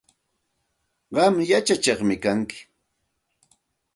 Qam yachatsikuqmi kanki.